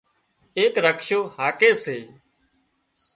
ايڪ رڪشو هاڪي سي